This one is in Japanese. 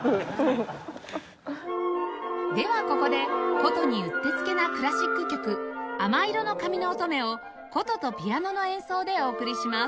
ではここで箏にうってつけなクラシック曲『亜麻色の髪のおとめ』を箏とピアノの演奏でお送りします